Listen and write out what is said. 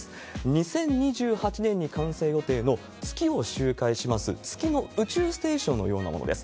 ２０２８年に完成予定の、月を周回します、つきの宇宙ステーションのようなものです。